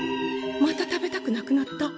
また食べたくなくなった。